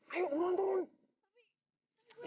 ayo buruan turun